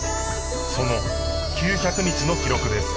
その９００日の記録です